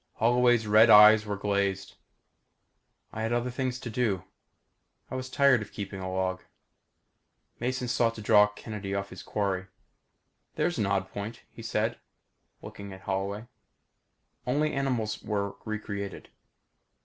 Holloway's red eyes were glazed. "I had other things to do. I was tired of keeping a log." Mason sought to draw Kennedy off his quarry. "There's an odd point," he said, looking at Holloway. "Only animals were recreated.